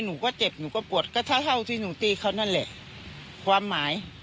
หนูก็เจ็บหนูก็ปวดก็เท่าเท่าที่หนูตีเขานั่นแหละความหมาย